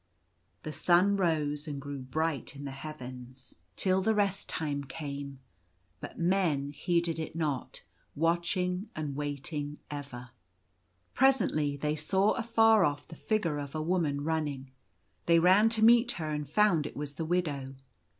The sun rose and grew bright in the heavens till the £ 26 Zaphir Speaks. rest time came ; but men heeded it not, watching and waiting ever. Presently they saw afar off the figure of a woman run ning. They ran to meet her and found it was the widow.